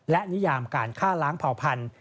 และนิยามการฆ่าล้างเผ่าพันธุ